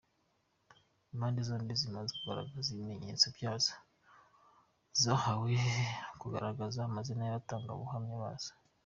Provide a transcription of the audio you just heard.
Impande zombi zimaze kugaragaza ibimenyetso byazo, zahawe kugaragaza amazina y’abatangabuhamya bazo.